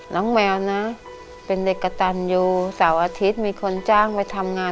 แมวนะเป็นเด็กกระตันอยู่เสาร์อาทิตย์มีคนจ้างไปทำงาน